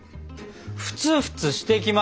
フツフツしてきました。